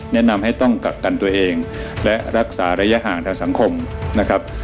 แนะนำให้ต้องกักกันตัวเองและรักษาระยะห่างทางสังคมนะครับ